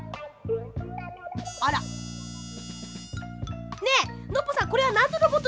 あら。ねえノッポさんこれはなんのロボットですか？